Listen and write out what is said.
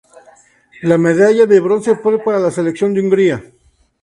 La medalla de bronce fue para la selección de Hungría.